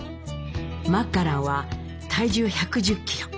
マッカランは体重１１０キロ。